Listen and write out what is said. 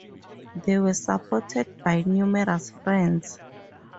They were supported by numerous friends.